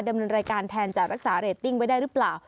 ดำเนินรายการแทนจะรักษาเรตติ้งไว้ได้หรือเปล่า